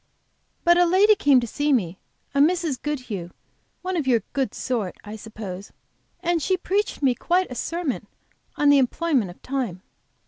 "But a lady came to see me, a Mrs. Goodhue, one of your good sort, I suppose, and she preached me quite a sermon on the employment of time.